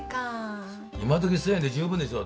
今どき１，０００円で十分でしょ。